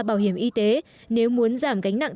bảo hiểm y tế nếu muốn giảm gánh nặng